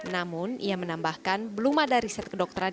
namun ia menambahkan belum ada riset kedokteran